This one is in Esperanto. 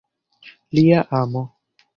Lia amo.